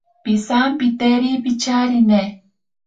Pisampitakeri picharine.